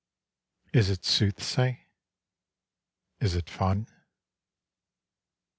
_' Is it soothsay? Is it fun?